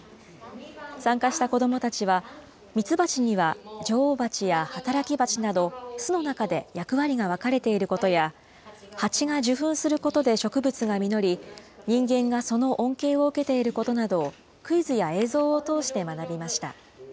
参加した子どもたちは、みつばちには女王蜂や働き蜂など、巣の中で役割が分かれていることや、蜂が受粉することで植物が実り、人間がその恩恵を受けていることなどをクイズや映像を通して学びました。